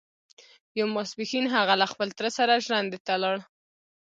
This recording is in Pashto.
يو ماسپښين هغه له خپل تره سره ژرندې ته لاړ.